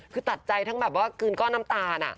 คือตัดใจทั้งแบบว่ากลืนก้อนน้ำตาล